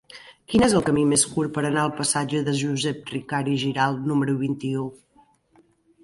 Quin és el camí més curt per anar al passatge de Josep Ricart i Giralt número vint-i-u?